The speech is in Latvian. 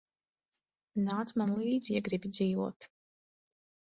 Nāc man līdzi, ja gribi dzīvot.